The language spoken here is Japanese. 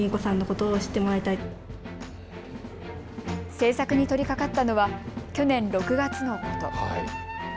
制作に取りかかったのは去年６月のこと。